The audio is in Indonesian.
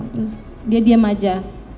terus dia diem aja